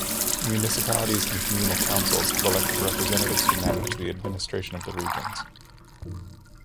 Municipalities and communal councils have elected representatives who manage the administration of the regions.